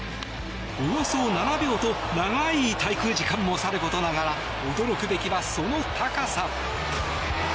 およそ７秒と長い滞空時間もさることながら驚くべきは、その高さ。